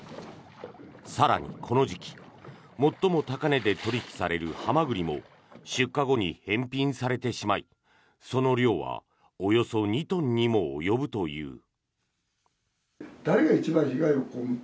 更に、この時期最も高値で取引されるハマグリも出荷後に返品されてしまいその量はおよそ２トンにも及ぶという。